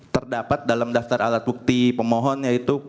terdapat dalam daftar alat bukti pemohon yaitu p satu ratus lima puluh enam yang mulia